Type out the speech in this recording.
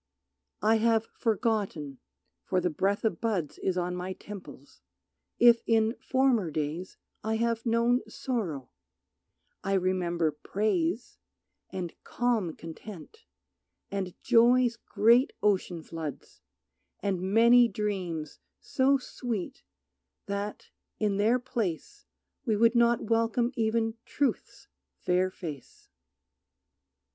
I have forgotten, for the breath of buds Is on my temples, if in former days I have known sorrow; I remember praise, And calm content, and joy's great ocean floods, And many dreams so sweet that, in their place, We would not welcome even Truth's fair face.